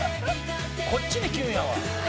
「こっちにキュンやわ」